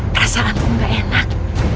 perasaanku enggak enak